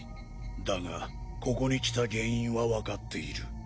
だがここに来た原因はわかっている。